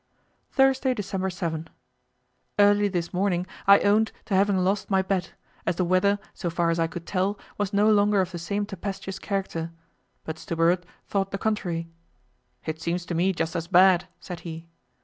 Thursday, December 7. Early this morning I owned to having lost my bet, as the weather, so far as I could tell, was no longer of the same tempestuous character; but Stubberud thought the contrary. "It seems to me just as bad," said he.